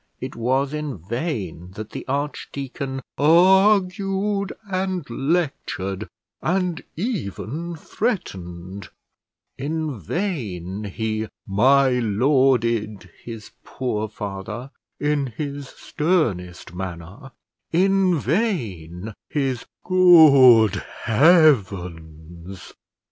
It was in vain that the archdeacon argued and lectured, and even threatened; in vain he my lorded his poor father in his sternest manner; in vain his "good heavens!"